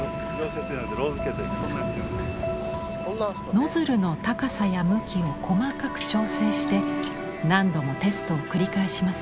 ノズルの高さや向きを細かく調整して何度もテストを繰り返します。